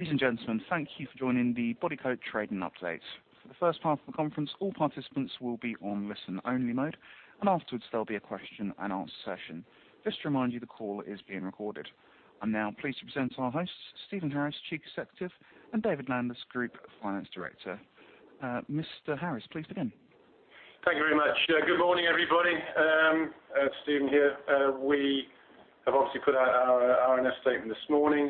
Ladies and gentlemen, thank you for joining the Bodycote Trading Update. For the first part of the conference, all participants will be on listen-only mode, and afterwards there'll be a question-and-answer session. Just to remind you, the call is being recorded. And now, pleased to present our hosts, Stephen Harris, Chief Executive, and David Landless, Group Finance Director. Mr. Harris, please begin. Thank you very much. Good morning, everybody. Stephen here. We have obviously put out our RNS statement this morning.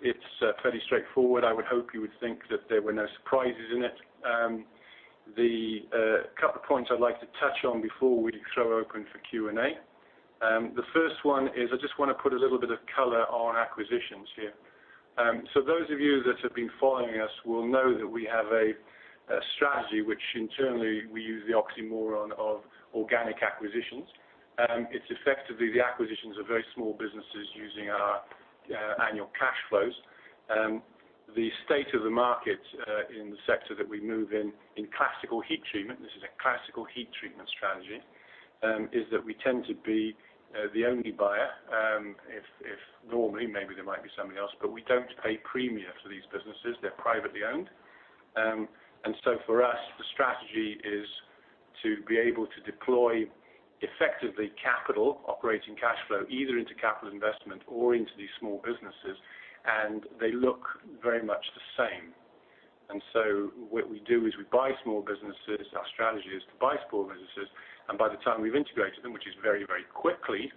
It's fairly straightforward. I would hope you would think that there were no surprises in it. A couple of points I'd like to touch on before we throw open for Q&A. The first one is I just wanna put a little bit of color on acquisitions here. So those of you that have been following us will know that we have a strategy which internally we use the oxymoron of organic acquisitions. It's effectively the acquisitions of very small businesses using our annual cash flows. The state of the market in the sector that we move in, in classical heat treatment—this is a classical heat treatment strategy—is that we tend to be the only buyer. If normally, maybe there might be somebody else, but we don't pay premium for these businesses. They're privately owned. And so for us, the strategy is to be able to deploy effectively capital, operating cash flow, either into capital investment or into these small businesses, and they look very much the same. And so what we do is we buy small businesses. Our strategy is to buy small businesses, and by the time we've integrated them, which is very, very quickly,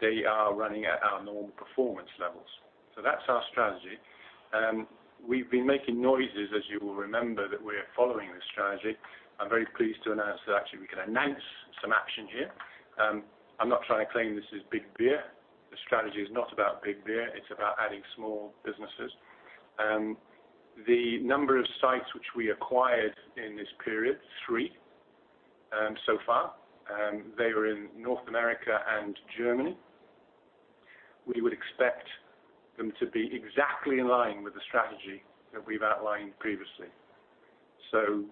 they are running at our normal performance levels. So that's our strategy. We've been making noises, as you will remember, that we're following this strategy. I'm very pleased to announce that actually we can announce some action here. I'm not trying to claim this is big beer. The strategy is not about big beer. It's about adding small businesses. The number of sites which we acquired in this period—three, so far—they were in North America and Germany. We would expect them to be exactly in line with the strategy that we've outlined previously. So,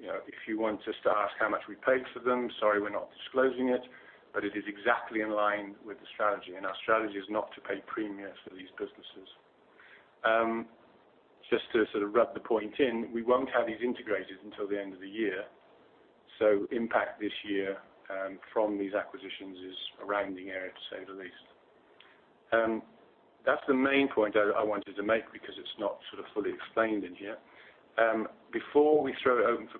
you know, if you want us to ask how much we paid for them, sorry, we're not disclosing it, but it is exactly in line with the strategy, and our strategy is not to pay premium for these businesses. Just to sort of rub the point in, we won't have these integrated until the end of the year, so the impact this year from these acquisitions is a rounding error, to say the least. That's the main point I wanted to make because it's not sort of fully explained in here. Before we throw it open for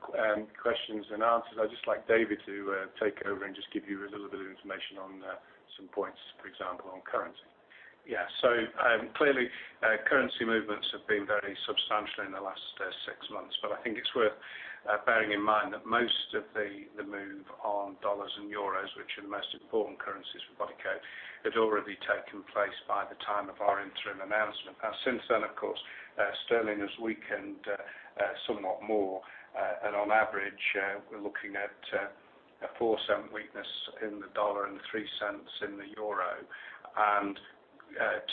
questions and answers, I'd just like David to take over and just give you a little bit of information on some points, for example, on currency. Yeah. So, clearly, currency movements have been very substantial in the last six months, but I think it's worth bearing in mind that most of the move on dollars and euros, which are the most important currencies for Bodycote, had already taken place by the time of our interim announcement. Now, since then, of course, sterling has weakened somewhat more, and on average, we're looking at a four-cent weakness in the dollar and three cents in the euro.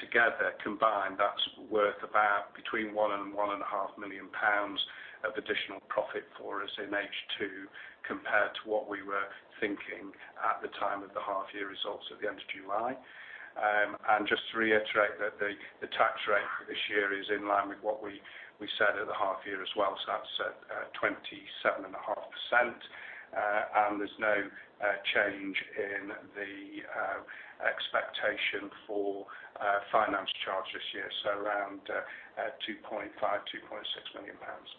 Together, combined, that's worth about between 1 million pounds and GBP 1.5 million of additional profit for us in H2 compared to what we were thinking at the time of the half-year results at the end of July. Just to reiterate that the tax rate for this year is in line with what we said at the half-year as well, so that's 27.5%. There's no change in the expectation for finance charge this year, so around 2.5-2.6 million pounds.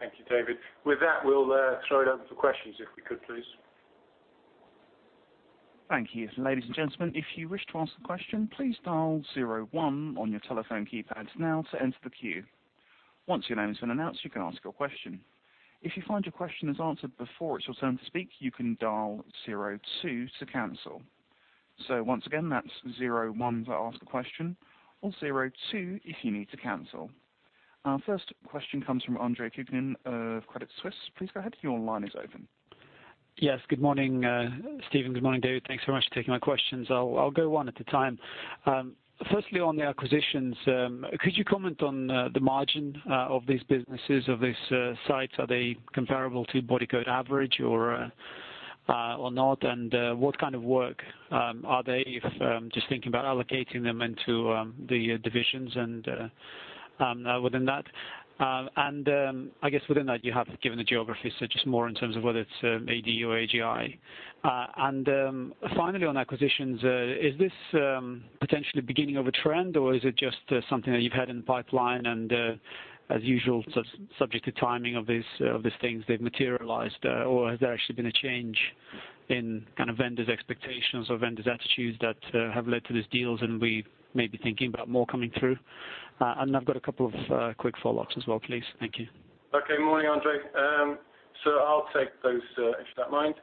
Thank you, David. With that, we'll throw it open for questions if we could, please. Thank you. And ladies and gentlemen, if you wish to ask a question, please dial zero one on your telephone keypads now to enter the queue. Once your name's been announced, you can ask your question. If you find your question is answered before it's your turn to speak, you can dial zero two to cancel. So once again, that's zero one to ask a question or zero two if you need to cancel. Our first question comes from Andre Kukhnin of Credit Suisse. Please go ahead. Your line is open. Yes. Good morning, Stephen. Good morning, David. Thanks so much for taking my questions. I'll go one at a time. Firstly, on the acquisitions, could you comment on the margin of these businesses, of these sites? Are they comparable to Bodycote average or not? And what kind of work are they if just thinking about allocating them into the divisions and within that? And I guess within that, you have given the geography, so just more in terms of whether it's AD or AGI. Finally, on acquisitions, is this potentially the beginning of a trend, or is it just something that you've had in the pipeline and, as usual, subject to timing of these, of these things they've materialized, or has there actually been a change in kind of vendors' expectations or vendors' attitudes that have led to these deals and we may be thinking about more coming through? I've got a couple of quick follow-ups as well, please. Thank you. Okay. Morning, Andre. So I'll take those, if you don't mind.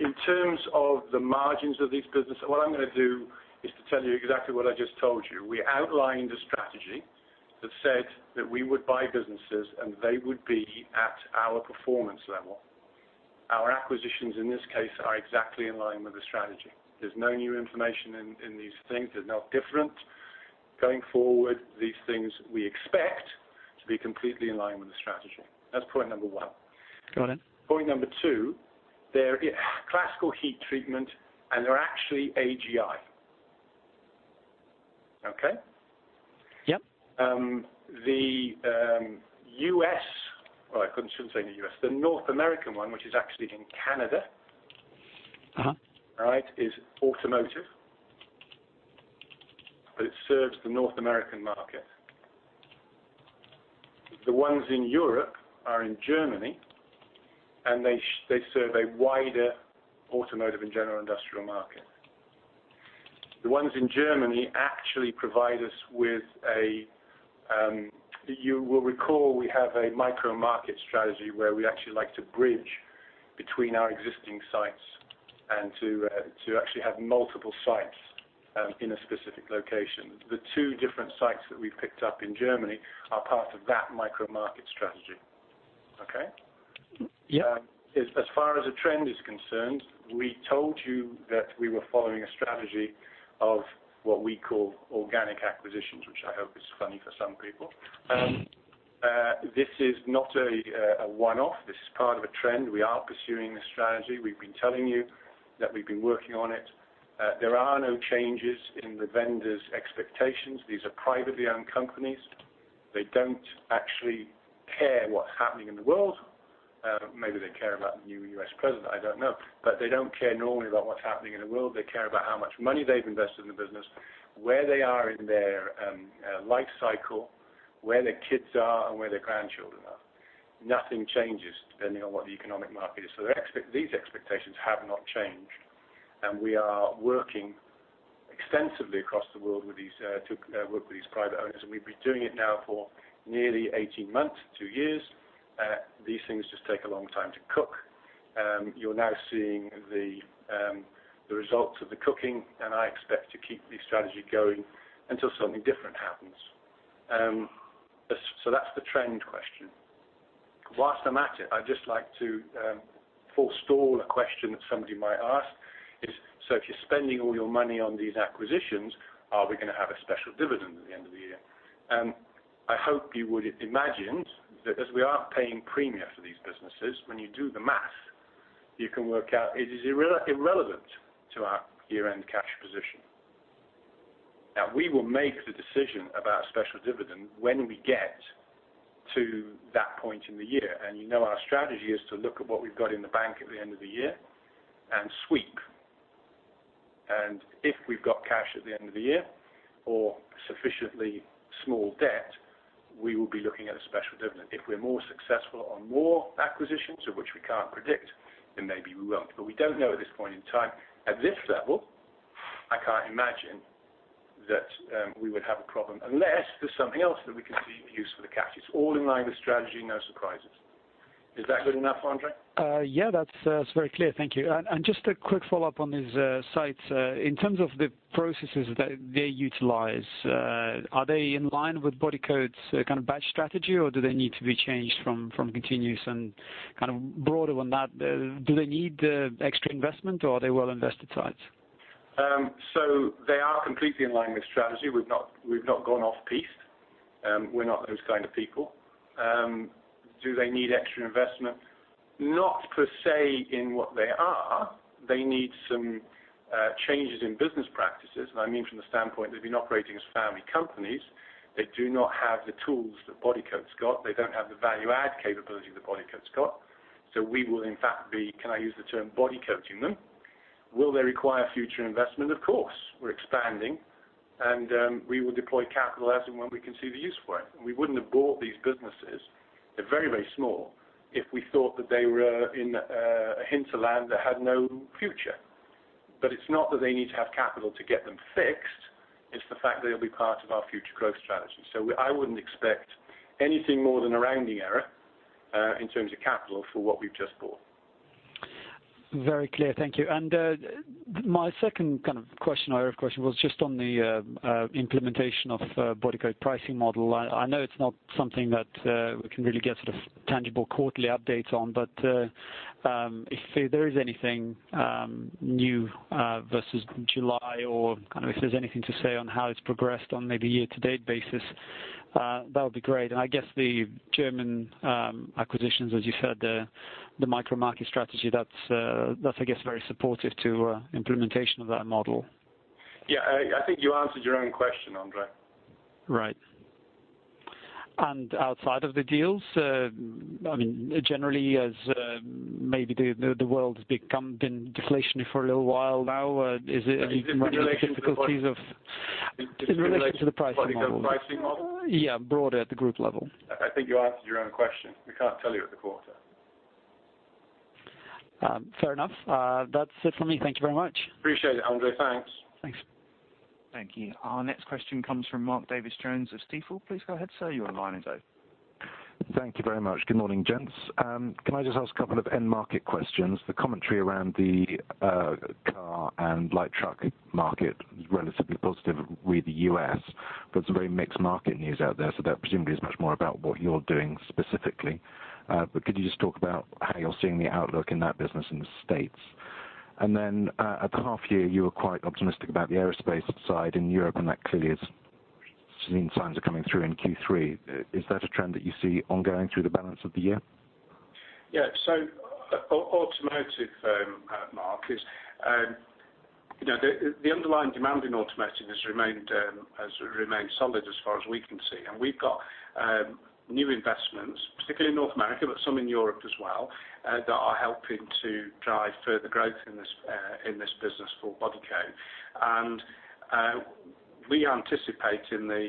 In terms of the margins of these businesses, what I'm gonna do is to tell you exactly what I just told you. We outlined a strategy that said that we would buy businesses and they would be at our performance level. Our acquisitions, in this case, are exactly in line with the strategy. There's no new information in, in these things. They're not different. Going forward, these things we expect to be completely in line with the strategy. That's point number one. Got it. Point number two, they're in classical heat treatment, and they're actually AGI. Okay? Yep. Well, I shouldn't say in the U.S.. The North American one, which is actually in Canada. Uh-huh. All right, is automotive, but it serves the North American market. The ones in Europe are in Germany, and they serve a wider automotive and general industrial market. The ones in Germany actually provide us with, you will recall we have a micromarket strategy where we actually like to bridge between our existing sites and to actually have multiple sites in a specific location. The two different sites that we've picked up in Germany are part of that micromarket strategy. Okay? Yep. As far as a trend is concerned, we told you that we were following a strategy of what we call organic acquisitions, which I hope is funny for some people. This is not a one-off. This is part of a trend. We are pursuing this strategy. We've been telling you that we've been working on it. There are no changes in the vendors' expectations. These are privately owned companies. They don't actually care what's happening in the world. Maybe they care about the new U.S. president. I don't know. But they don't care normally about what's happening in the world. They care about how much money they've invested in the business, where they are in their life cycle, where their kids are, and where their grandchildren are. Nothing changes depending on what the economic market is. So there are these expectations have not changed, and we are working extensively across the world with these, work with these private owners. And we've been doing it now for nearly 18 months, two years. These things just take a long time to cook. You're now seeing the results of the cooking, and I expect to keep the strategy going until something different happens. So that's the trend question. Whilst I'm at it, I'd just like to forestall a question that somebody might ask is, "So if you're spending all your money on these acquisitions, are we gonna have a special dividend at the end of the year?" I hope you would imagine that as we are paying premium for these businesses, when you do the math, you can work out it is irrelevant to our year-end cash position. Now, we will make the decision about a special dividend when we get to that point in the year. And you know our strategy is to look at what we've got in the bank at the end of the year and sweep. And if we've got cash at the end of the year or sufficiently small debt, we will be looking at a special dividend. If we're more successful on more acquisitions, of which we can't predict, then maybe we won't. But we don't know at this point in time. At this level, I can't imagine that we would have a problem unless there's something else that we can see use for the cash. It's all in line with strategy. No surprises. Is that good enough, André? Yeah. That's, that's very clear. Thank you. And, and just a quick follow-up on these sites. In terms of the processes that they utilize, are they in line with Bodycote's kind of batch strategy, or do they need to be changed from, from continuous? And kind of broader than that, do they need extra investment, or are they well-invested sites? So they are completely in line with strategy. We've not gone off-piste. We're not those kind of people. Do they need extra investment? Not per se in what they are. They need some changes in business practices. And I mean from the standpoint they've been operating as family companies. They do not have the tools that Bodycote's got. They don't have the value-add capability that Bodycote's got. So we will, in fact, be—can I use the term—bodycoating them? Will they require future investment? Of course. We're expanding, and we will deploy capital as and when we can see the use for it. We wouldn't have bought these businesses—they're very, very small—if we thought that they were in a hinterland that had no future. But it's not that they need to have capital to get them fixed. It's the fact they'll be part of our future growth strategy. So, I wouldn't expect anything more than a rounding error, in terms of capital for what we've just bought. Very clear. Thank you. My second kind of question or other question was just on the implementation of Bodycote pricing model. I know it's not something that we can really get sort of tangible quarterly updates on, but if there is anything new versus July or kind of if there's anything to say on how it's progressed on maybe year-to-date basis, that would be great. And I guess the German acquisitions, as you said, the micromarket strategy, that's I guess very supportive to implementation of that model. Yeah. I think you answered your own question, André. Right. And outside of the deals, I mean, generally, as maybe the world's become deflationary for a little while now, are you running into difficulties in relation to the pricing model? In relation to the pricing model? Yeah. Broader at the group level. I think you answered your own question. We can't tell you at the quarter. Fair enough. That's it from me. Thank you very much. Appreciate it, Andre. Thanks. Thanks. Thank you. Our next question comes from Mark Davies Jones of Stifel. Please go ahead, sir. You're on the line in Derby. Thank you very much. Good morning, gents. Can I just ask a couple of end-market questions? The commentary around the car and light truck market is relatively positive, really, the U.S., but some very mixed market news out there. So that presumably is much more about what you're doing specifically. But could you just talk about how you're seeing the outlook in that business in the States? And then, at the half-year, you were quite optimistic about the aerospace side in Europe, and that clearly is seeing signs of coming through in Q3. Is that a trend that you see ongoing through the balance of the year? Yeah. So automotive, Mark, is, you know, the underlying demand in automotive has remained solid as far as we can see. And we've got new investments, particularly in North America, but some in Europe as well, that are helping to drive further growth in this business for Bodycote. And we anticipate in the,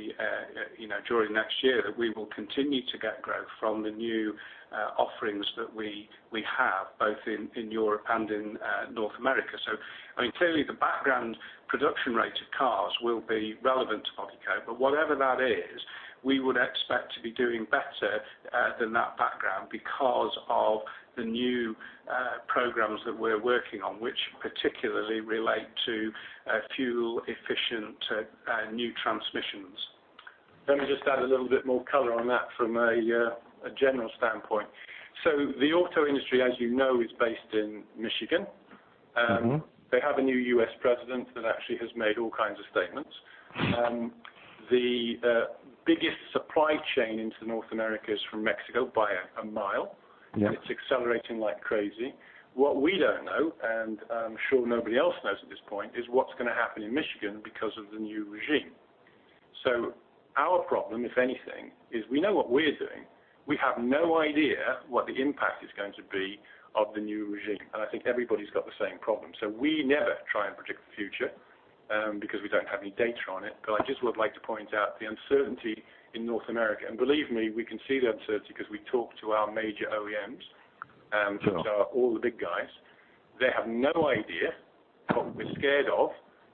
you know, during next year that we will continue to get growth from the new offerings that we have both in Europe and in North America. So, I mean, clearly, the background production rate of cars will be relevant to Bodycote, but whatever that is, we would expect to be doing better than that background because of the new programs that we're working on, which particularly relate to fuel-efficient new transmissions. Let me just add a little bit more color on that from a general standpoint. The auto industry, as you know, is based in Michigan. Mm-hmm. They have a new U.S. president that actually has made all kinds of statements. The biggest supply chain into North America is from Mexico by a mile. Yep. It's accelerating like crazy. What we don't know, and I'm sure nobody else knows at this point, is what's gonna happen in Michigan because of the new regime. Our problem, if anything, is we know what we're doing. We have no idea what the impact is going to be of the new regime. I think everybody's got the same problem. We never try and predict the future, because we don't have any data on it. But I just would like to point out the uncertainty in North America. Believe me, we can see the uncertainty 'cause we talk to our major OEMs, Sure. Which are all the big guys. They have no idea. What we're scared of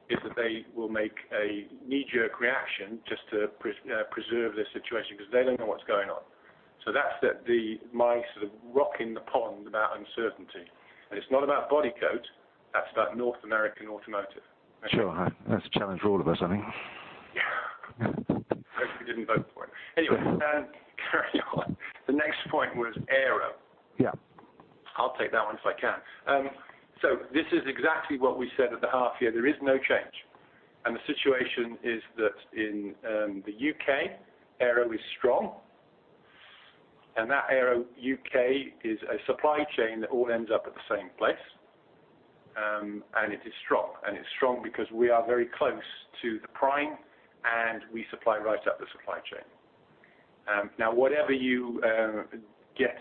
is that they will make a knee-jerk reaction just to preserve their situation 'cause they don't know what's going on. So that's my sort of rock in the pond about uncertainty. It's not about Bodycote. That's about North American automotive. Sure. That's a challenge for all of us, I think. Yeah. Hope you didn't vote for it. Anyway, carry on. The next point was aero. Yep. I'll take that one if I can. So this is exactly what we said at the half-year. There is no change. And the situation is that in the U.K., aero is strong. And that aero U.K. is a supply chain that all ends up at the same place, and it is strong. And it's strong because we are very close to the prime, and we supply right up the supply chain. Now, whatever you get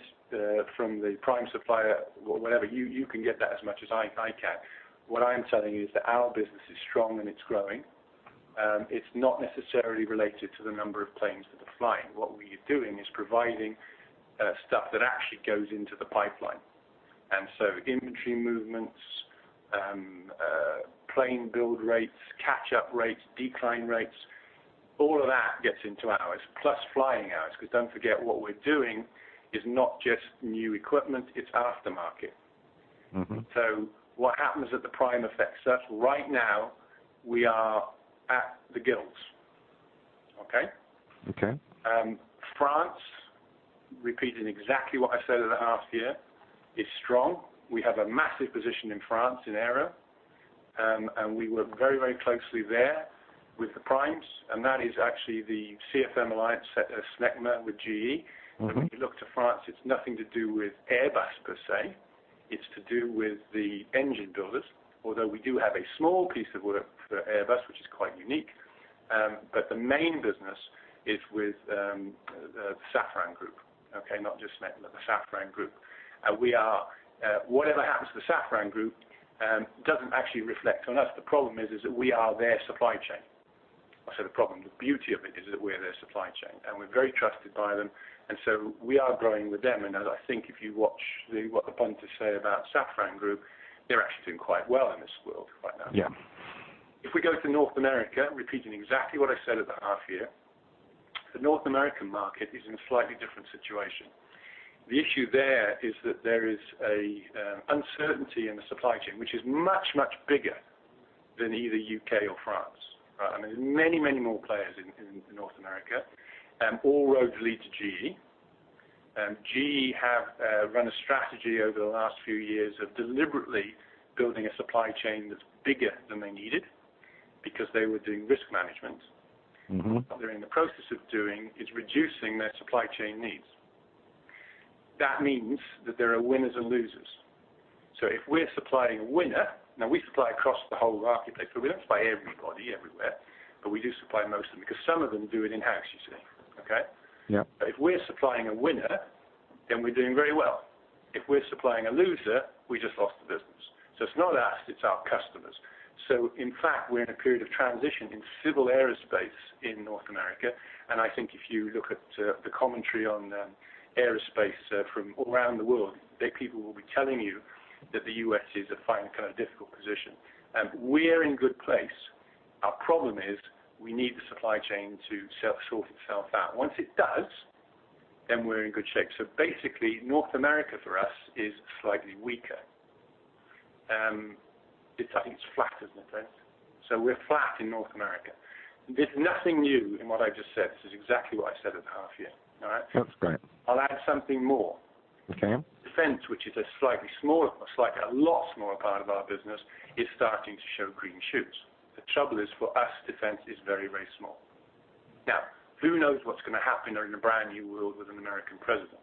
from the prime supplier, whatever you can get that as much as I can. What I'm telling you is that our business is strong, and it's growing. It's not necessarily related to the number of planes that are flying. What we are doing is providing stuff that actually goes into the pipeline. And so inventory movements, plane build rates, catch-up rates, decline rates, all of that gets into ours, plus flying hours. 'Cause don't forget, what we're doing is not just new equipment. It's aftermarket. Mm-hmm. So what happens at the prime affects us. Right now, we are at the gills. Okay? Okay. France, repeating exactly what I said at the half-year, is strong. We have a massive position in France in aero, and we work very, very closely there with the primes. That is actually the CFM Alliance, Snecma with GE. Mm-hmm. And when you look to France, it's nothing to do with Airbus per se. It's to do with the engine builders, although we do have a small piece of work for Airbus, which is quite unique. But the main business is with the Safran Group. Okay? Not just Snecma, the Safran Group. We are whatever happens to the Safran Group, doesn't actually reflect on us. The problem is, is that we are their supply chain. I say the problem. The beauty of it is that we're their supply chain. And we're very trusted by them. And so we are growing with them. And as I think if you watch what the punters say about Safran Group, they're actually doing quite well in this world right now. Yeah. If we go to North America, repeating exactly what I said at the half-year, the North American market is in a slightly different situation. The issue there is that there is a uncertainty in the supply chain, which is much, much bigger than either U.K. or France. Right? I mean, there's many, many more players in North America. All roads lead to GE. GE have run a strategy over the last few years of deliberately building a supply chain that's bigger than they needed because they were doing risk management. Mm-hmm. What they're in the process of doing is reducing their supply chain needs. That means that there are winners and losers. So if we're supplying a winner now, we supply across the whole marketplace, but we don't supply everybody everywhere. But we do supply most of them because some of them do it in-house, you see. Okay? Yep. But if we're supplying a winner, then we're doing very well. If we're supplying a loser, we just lost the business. It's not us. It's our customers. In fact, we're in a period of transition in civil aerospace in North America. I think if you look at the commentary on aerospace from all around the world, the people will be telling you that the U.S. is in a kind of difficult position. We're in a good place. Our problem is we need the supply chain to self-sort itself out. Once it does, then we're in good shape. Basically, North America for us is slightly weaker. It's, I think it's flat, isn't it, gents? We're flat in North America. There's nothing new in what I've just said. This is exactly what I said at the half-year. All right? That's great. I'll add something more. Okay. Defense, which is a slightly smaller, a lot smaller part of our business, is starting to show green shoots. The trouble is for us, defense is very, very small. Now, who knows what's gonna happen in a brand new world with an American president?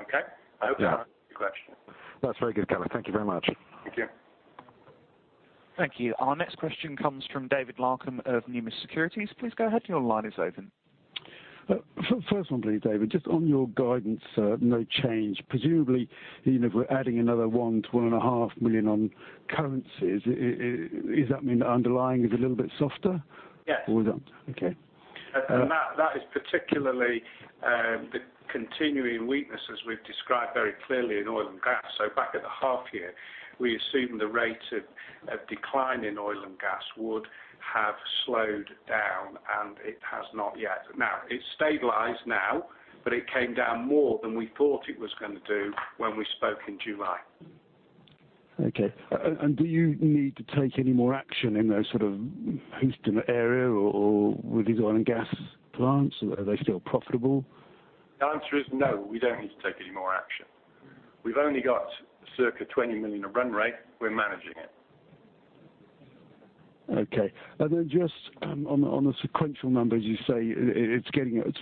Okay? I hope that answers your question. Yeah. That's very good, color. Thank you very much. Thank you. Thank you. Our next question comes from David Larkam of Numis Securities. Please go ahead. Your line is open. First one, please, David. Just on your guidance, no change. Presumably, you know, if we're adding another 1 million-1.5 million on currencies, is that mean the underlying is a little bit softer? Yes. Or is that okay? and that is particularly the continuing weakness as we've described very clearly in oil and gas. So back at the half-year, we assumed the rate of decline in oil and gas would have slowed down, and it has not yet. Now, it stabilized now, but it came down more than we thought it was gonna do when we spoke in July. Okay. And do you need to take any more action in those sort of Houston area or with these oil and gas plants? Are they still profitable? The answer is no. We don't need to take any more action. We've only got circa 20 million of run rate. We're managing it. Okay. And then just, on the sequential numbers, you say it's getting it's.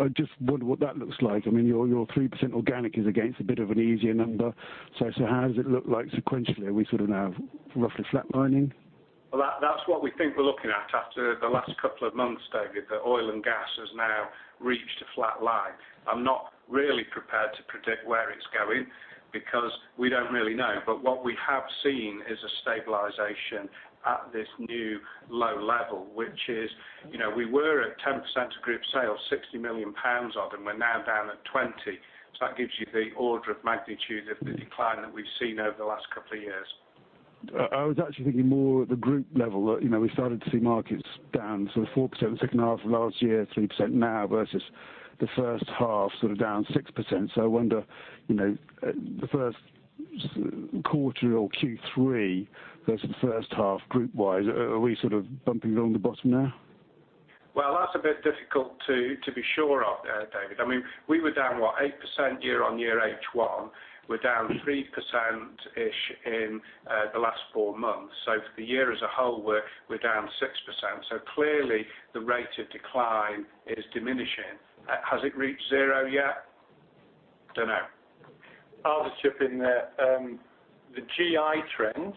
I just wonder what that looks like. I mean, your 3% organic is against a bit of an easier number. So, how does it look like sequentially? Are we sort of now roughly flatlining? Well, that's what we think we're looking at after the last couple of months, David, that oil and gas has now reached a flat line. I'm not really prepared to predict where it's going because we don't really know. But what we have seen is a stabilization at this new low level, which is, you know, we were at 10% of group sales, 60 million pounds of them. We're now down at 20%. So that gives you the order of magnitude of the decline that we've seen over the last couple of years. I was actually thinking more at the group level, that, you know, we started to see markets down. So 4% the second half of last year, 3% now versus the first half sort of down 6%. So I wonder, you know, the first quarter or Q3 versus the first half group-wise, are we sort of bumping along the bottom now? Well, that's a bit difficult to be sure of, David. I mean, we were down, what, 8% year-on-year H1. We're down 3%-ish in the last four months. So for the year as a whole, we're down 6%. So clearly, the rate of decline is diminishing. Has it reached zero yet? Don't know. I'll just jump in there. The AGI trend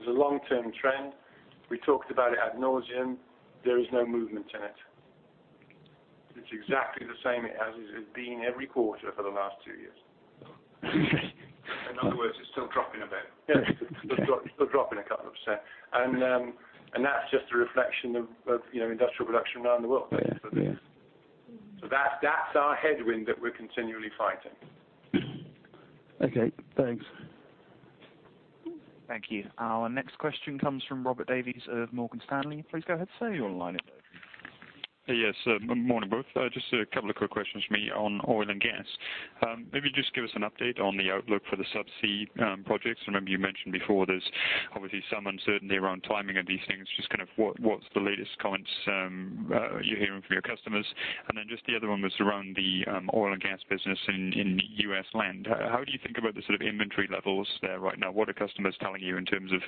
is a long-term trend. We talked about it ad nauseam. There is no movement in it. It's exactly the same it has been every quarter for the last two years. Okay. In other words, it's still dropping a bit. Yeah. Still dropping a couple of %. That's just a reflection of, you know, industrial production around the world, basically. Yeah. So that's our headwind that we're continually fighting. Okay. Thanks. Thank you. Our next question comes from Robert Davies of Morgan Stanley. Please go ahead. So your line is open. Hey, yes. Morning both. Just a couple of quick questions for me on oil and gas. Maybe just give us an update on the outlook for the subsea projects. I remember you mentioned before there's obviously some uncertainty around timing of these things. Just kind of, what's the latest comments you're hearing from your customers? And then just the other one was around the oil and gas business in U.S. land. How do you think about the sort of inventory levels there right now? What are customers telling you in terms of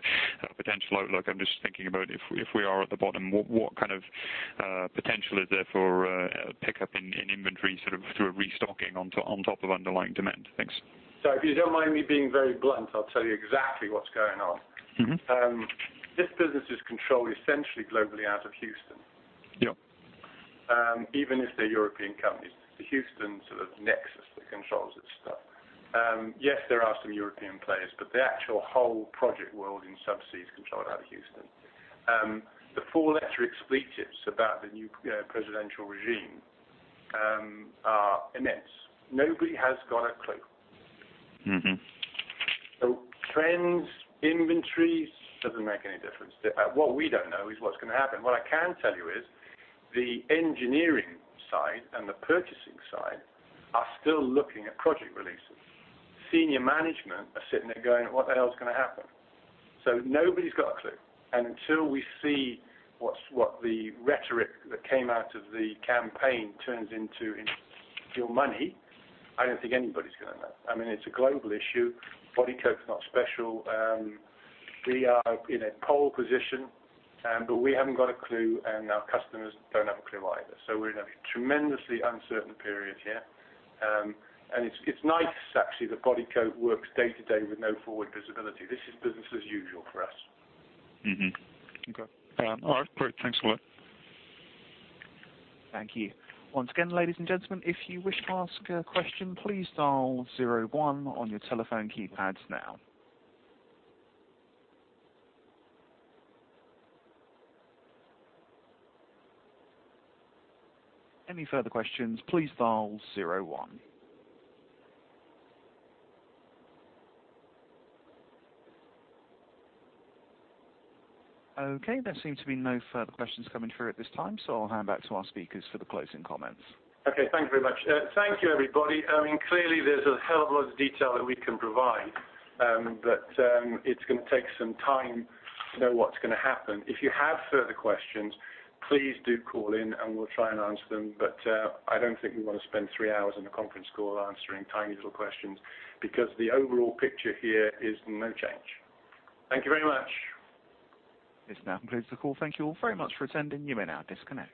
potential outlook? I'm just thinking about if we are at the bottom, what kind of potential is there for pickup in inventory sort of through a restocking on top of underlying demand? Thanks. If you don't mind me being very blunt, I'll tell you exactly what's going on. Mm-hmm. This business is controlled essentially globally out of Houston. Yep. Even if they're European companies. The Houston sort of nexus that controls this stuff. Yes, there are some European players, but the actual whole project world in subsea is controlled out of Houston. The four-letter expletives about the new presidential regime are immense. Nobody has got a clue. Mm-hmm. So trends, inventories, doesn't make any difference. What we don't know is what's gonna happen. What I can tell you is the engineering side and the purchasing side are still looking at project releases. Senior management are sitting there going, "What the hell's gonna happen?" So nobody's got a clue. And until we see what's what the rhetoric that came out of the campaign turns into in your money, I don't think anybody's gonna know. I mean, it's a global issue. Bodycote's not special. We are in a pole position, but we haven't got a clue, and our customers don't have a clue either. So we're in a tremendously uncertain period here. And it's, it's nice, actually, that Bodycote works day to day with no forward visibility. This is business as usual for us. Mm-hmm. Okay. All right. Great. Thanks a lot. Thank you. Once again, ladies and gentlemen, if you wish to ask a question, please dial zero one on your telephone keypads now. Any further questions, please dial zero one. Okay. There seem to be no further questions coming through at this time, so I'll hand back to our speakers for the closing comments. Okay. Thank you very much. Thank you, everybody. I mean, clearly, there's a hell of a lot of detail that we can provide, but it's gonna take some time to know what's gonna happen. If you have further questions, please do call in, and we'll try and answer them. But I don't think we wanna spend three hours in a conference call answering tiny little questions because the overall picture here is no change. Thank you very much. This now concludes the call. Thank you all very much for attending. You may now disconnect.